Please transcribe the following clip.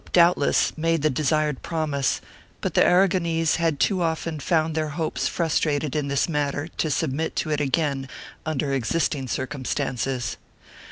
IV] ARAGON 45$ doubtless made the desired promise, but the Aragonese had too often found their hopes frustrated in this manner to submit to< it again under existing circumstances.